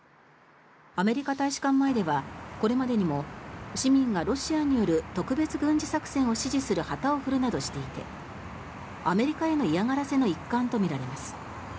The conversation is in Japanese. アメリカ大使館前ではこれまでにも市民がロシアによる特別軍事作戦を支持する旗を振るなどしていてアメリカへの嫌がらせの一環とみられます。